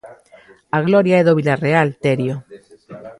A gloria é do Vilarreal, Terio.